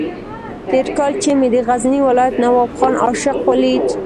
تېر کال چې مې د غزني ولایت نواب خان عاشق ولید.